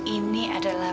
ini adalah pembaca